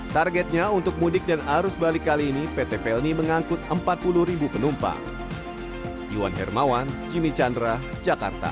targetnya untuk mudik dan arus balik kali ini pt pelni mengangkut empat puluh penumpang